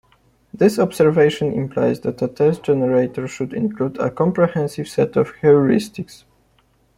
This observation implies that a test generator should include a comprehensive set of heuristics.